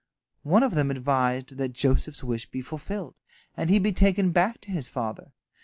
One of them advised that Joseph's wish be fulfilled, and he be taken back to his father.